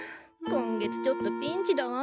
今月ちょっとピンチだわ。